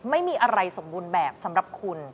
ไม่มีอะไรสมบูรณ์แบบสำหรับคุณ